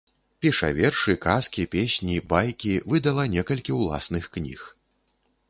Піша вершы, казкі, песні, байкі, выдала некалькі ўласных кніг.